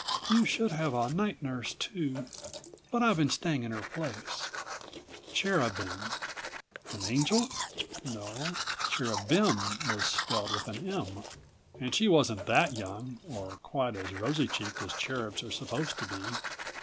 "You should have a night nurse too, but I've been staying on in her place." Cherubin. An angel? No cherubim was spelt with an "M." And she wasn't that young or quite as rosy cheeked as cherubs are supposed to be.